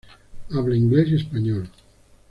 Habla Ingles y Español.